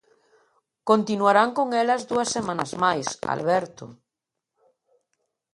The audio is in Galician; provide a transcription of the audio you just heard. Continuarán con elas dúas semanas máis, Alberto...